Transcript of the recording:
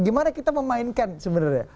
gimana kita memainkan sebenarnya